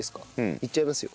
いっちゃいますよ。